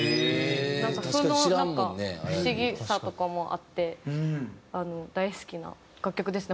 なんかその不思議さとかもあって大好きな楽曲ですね。